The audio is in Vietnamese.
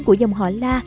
của dòng họ la